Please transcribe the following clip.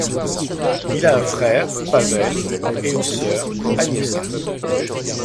Il a un frère, Paweł et une sœur, Agnieszka.